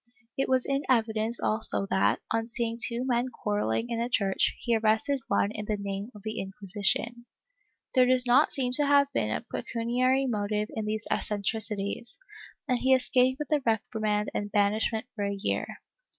It was in evidence also that, on seeing two men quarrelling in a church, he arrested one in the name of the Inquisition. There does not seem to have been a pecuniary motive in these eccentricities, and he escaped with a reprimand and banishment for a year.'